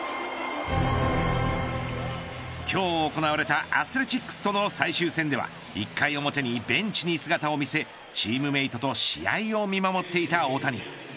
今日行われたアスレチックスとの最終戦では１回表にベンチに姿を見せチームメートと試合を見守っていた大谷。